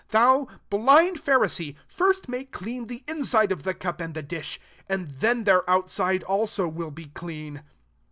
26 Thou blind Pha risee, first make clean the in side of the cup \and the diahl ; and then their outside also will be clean.